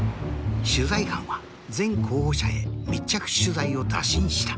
取材班は全候補者へ密着取材を打診した。